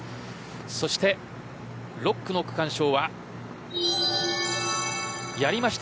そして６区の区間賞はやりました